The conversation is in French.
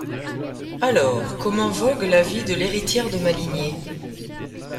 Alors, comment vogue la vie de l’héritière de ma lignée ?